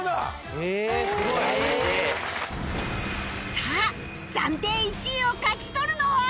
さあ暫定１位を勝ち取るのは？